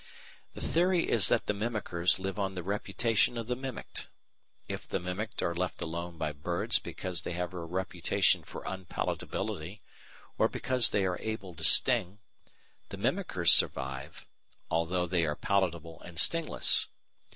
The theory is that the mimickers live on the reputation of the mimicked. If the mimicked are left alone by birds because they have a reputation for unpalatability, or because they are able to sting, the mimickers survive although they are palatable and stingless.